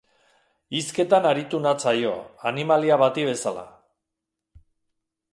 Hizketan aritu natzaio, animalia bati bezala.